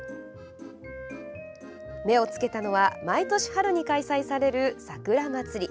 目を付けたのは毎年春に開催される、さくら祭。